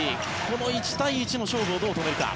この１対１の勝負をどう止めるか。